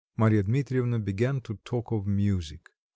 Marya Dmitrievna began to talk of music.